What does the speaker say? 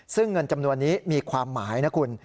ซึ่งเงินจำนวนนี้มีความหมายนะคุณ